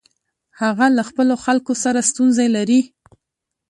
هغه له خپلو خلکو سره ستونزې لري.